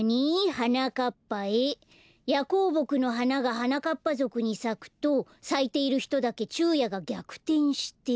「はなかっぱへヤコウボクのはながはなかっぱぞくにさくとさいているひとだけちゅうやがぎゃくてんして」。